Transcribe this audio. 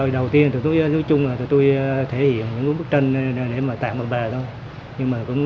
đầu tiên tôi thể hiện những bức tranh để tạm bằng bề